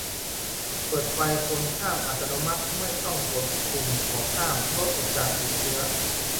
- เปิดไฟคนข้ามอัตโนมัติ ไม่ต้องกดปุ่มขอข้าม ลดโอกาสติดเชื้อ